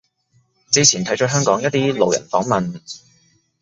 之前睇咗香港一啲路人訪問